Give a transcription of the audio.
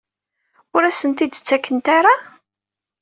Ur asen-t-id-ttakent ara?